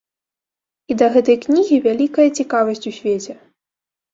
І да гэтай кнігі вялікая цікавасць у свеце.